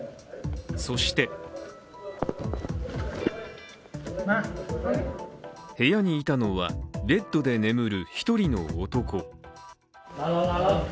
そして部屋にいたのはベッドで眠る１人の男。